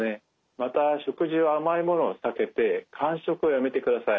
また食事は甘いものを避けて間食をやめてください。